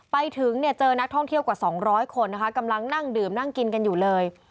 ไปถึงเนี่ยเจอนักท่องเที่ยวกว่า๒๐๐คนนะคะกำลังนั่งดื่มนั่งกินกันอยู่เลย